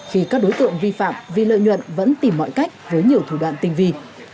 khi các đối tượng vi phạm vì lợi nhuận vẫn tìm mọi cách với nhiều thủ đoạn tinh vi